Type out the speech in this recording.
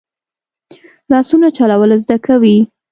لاسونه چلول زده کوي